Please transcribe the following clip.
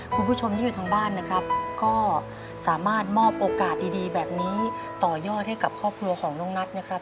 คุณผู้ชมที่อยู่ทางบ้านนะครับก็สามารถมอบโอกาสดีแบบนี้ต่อยอดให้กับครอบครัวของน้องนัทนะครับ